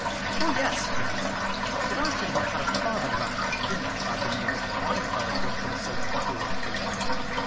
"Oh, yes!" he answered; "but I should have had a far better appetite for dinner, had I been able to find the fellows who had been so cruelly baiting her.